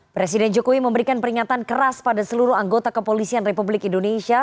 presiden jokowi memberikan peringatan keras pada seluruh anggota kepolisian republik indonesia